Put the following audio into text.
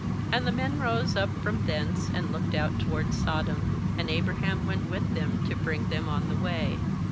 16And the men rose up from thence, and looked out toward Sodom; and Abraham went with them to bring them on the way.